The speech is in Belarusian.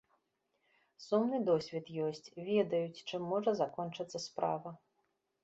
Сумны досвед ёсць, ведаюць, чым можа закончыцца справа.